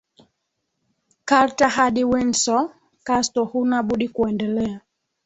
Carta hadi Windsor Castle Huna budi kuendelea